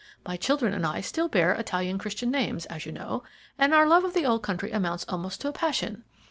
My children and I still bear Italian Christian names, as you know, and our love for the old country amounts almost to a passion.